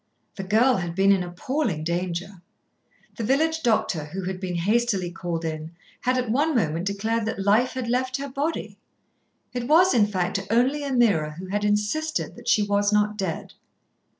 The girl had been in appalling danger. The village doctor, who had been hastily called in, had at one moment declared that life had left her body. It was, in fact, only Ameerah who had insisted that she was not dead.